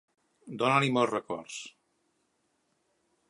Dona-li molts records.